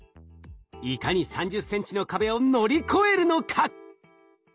いかに３０ｃｍの壁を乗り越えるのか？